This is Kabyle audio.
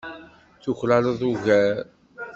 Tuklaleḍ ugar.